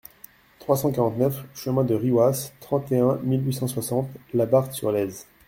trois cent quarante-neuf chemin de Riouas, trente et un mille huit cent soixante Labarthe-sur-Lèze